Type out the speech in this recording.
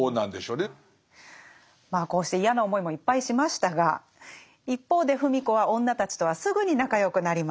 まあこうして嫌な思いもいっぱいしましたが一方で芙美子は女たちとはすぐに仲良くなりました。